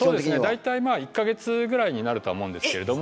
大体１か月ぐらいになるとは思うんですけれども。